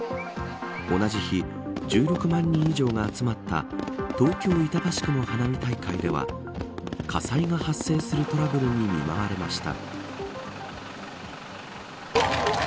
同じ日、１６万人以上が集まった東京・板橋区の花火大会では火災が発生するトラブルに見舞われました。